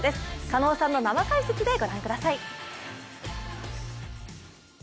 狩野さんの生解説で御覧ください。